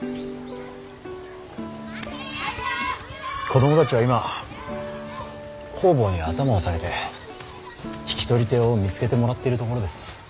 子供たちは今方々に頭を下げて引き取り手を見つけてもらってるところです。